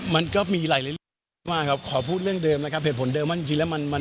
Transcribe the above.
มันก็มีหลายเรื่องมากครับขอพูดเรื่องเดิมนะครับ